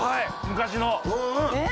昔の。